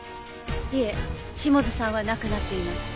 いえ下津さんは亡くなっています。